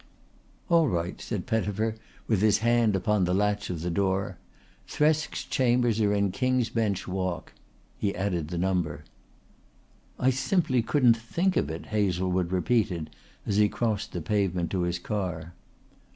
"All right," said Pettifer with his hand upon the latch of the front door. "Thresk's chambers are in King's Bench Walk." He added the number. "I simply couldn't think of it," Hazlewood repeated as he crossed the pavement to his car.